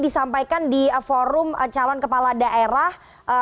disampaikan di forum calon kepala daerah